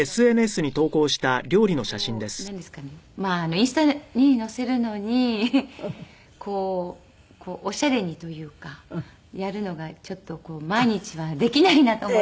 インスタに載せるのにオシャレにというかやるのがちょっと毎日はできないなと思って。